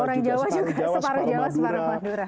orang jawa juga separuh jawa separuh madura